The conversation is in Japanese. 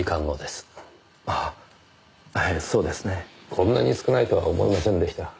こんなに少ないとは思いませんでした。